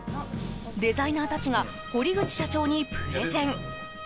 デザイナーたちが堀口社長にプレゼン。